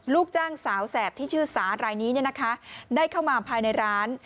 ลูกจ้างสาวแสบที่ชื่อสารายนี้ได้เข้ามาภายในร้าน